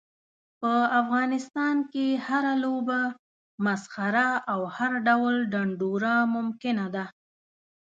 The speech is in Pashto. په افغانستان کې هره لوبه، مسخره او هر ډول ډنډوره ممکنه ده.